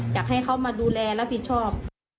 อยากให้เขามาดูแลรับผิดชอบ